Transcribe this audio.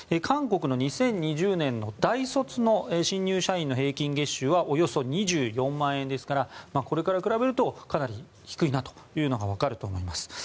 韓国の２０２０年の大卒の新入社員の平均月収はおよそ２４万円ですからこれから比べるとかなり低いなというのがわかると思います。